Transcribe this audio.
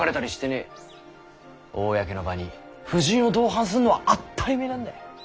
公の場に夫人を同伴すんのは当ったりめえなんだい。